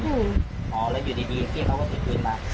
อ๋อแล้วอยู่ดีเขาก็เกิดขึ้นไหม